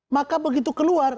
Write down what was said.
maka begitu keluar